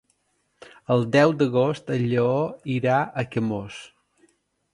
El deu d'agost en Lleó irà a Camós.